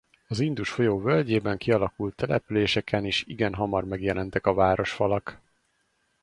Az Indus folyó völgyében kialakult településeken is igen hamar megjelentek a városfalak.